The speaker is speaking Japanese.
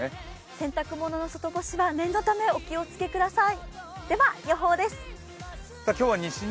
洗濯物の外干しは念のため、お気をつけください。